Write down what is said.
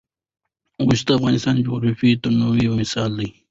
اوښ د افغانستان د جغرافیوي تنوع یو مثال دی.